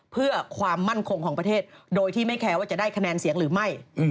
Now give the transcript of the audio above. เพื่อความมั่นคงของประเทศโดยที่ไม่แคร์ว่าจะได้คะแนนเสียงหรือไม่